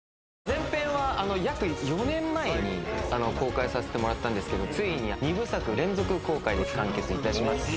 前編は約４年前に公開させてもらったんですけどついに２部作連続公開で完結いたします。